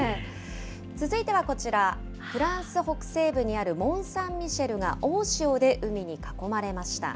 続いてはこちら、フランス北西部にあるモンサンミシェルが、大潮で海に囲まれました。